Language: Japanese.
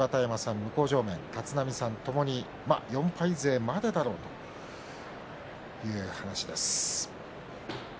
向正面、立浪さんともに４敗勢までだろうという話です。